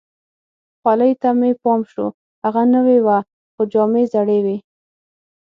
خولۍ ته مې پام شو، هغه نوې وه، خو جامې زړې وي.